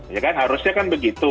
ya kan harusnya kan begitu